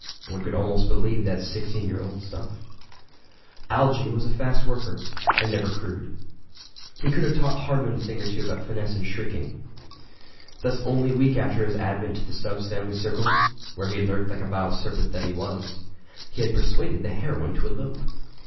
One could almost believe that sixteen year old stuff. Algy was a fast worker, but never crude. He could have taught Hardman a thing or two about finesse in sheiking. Thus only a week after his advent to the Stubbs family circle, where he lurked like the vile serpent that he was, he had persuaded the heroine to elope!